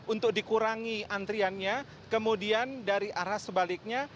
untuk dikurangi antriannya kemudian dari arah sebaliknya